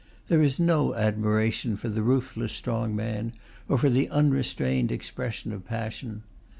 There is no admiration for the ruthless strong man, or for the unrestrained expression of passion.